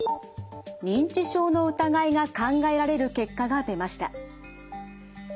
認知症の疑いが考えられる結果が出ました。